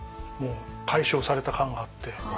もう解消された感があって。